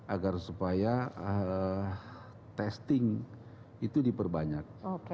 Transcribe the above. agar supaya testing itu diperbanyak